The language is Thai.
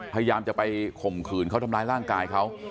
พยายามจะไปข่มขืนเขาทำร้ายร่างกายเขา